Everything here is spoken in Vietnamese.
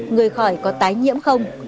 người khỏi có tái nhiễm không